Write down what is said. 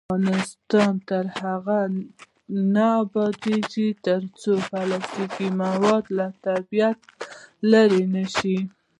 افغانستان تر هغو نه ابادیږي، ترڅو پلاستیکي مواد له طبیعت لرې نشي.